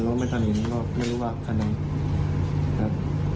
แล้วไม่ทันเห็นก็ไม่รู้ว่าคันอะไร